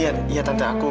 ah ya tante aku